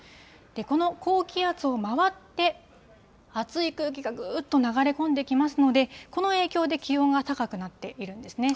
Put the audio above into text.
この高気圧を回って、熱い空気がぐーっと流れ込んできますので、この影響で、気温が高くなっているんですね。